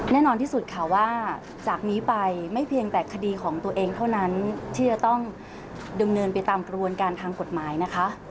แน่นอนที่สุดค่ะว่าจากนี้ไปไม่เพียงแต่คดีของตัวเองเท่านั้นที่จะต้องดำเนินไปตามกระบวนการทางกฎหมายนะคะ